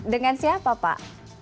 dengan siapa pak